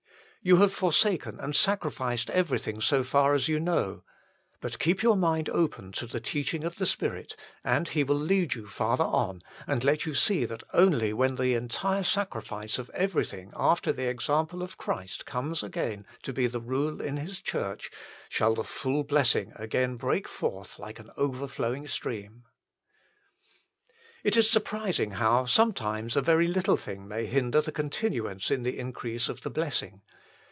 You have forsaken and sacrificed every thing so far as you know ; but keep your mind open to the teaching of the Spirit, and He will lead you farther on, and let you see that only when the entire sacrifice of everything after the example of Christ comes again to be the rule in His Church, shall the full blessing again break forth like an overflowing stream. It is surprising how sometimes a very little thing may hinder the continuance in the increase of the blessing.